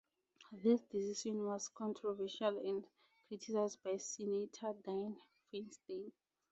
This decision was controversial and criticized by Senator Dianne Feinstein.